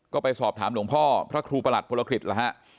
ก็ไปสอบถามหลวงพ่อพระครูประหลัดพลคริสต์แล้วฮะ